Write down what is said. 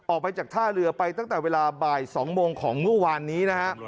ออกไปจากท่าเรือไปตั้งแต่เวลาบ่าย๒โมงของเมื่อวานนี้นะฮะ